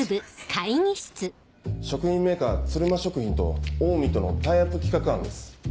食品メーカー鶴馬食品とオウミとのタイアップ企画案です。